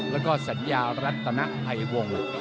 แล้วก็สัญญารัตนภัยวงศ์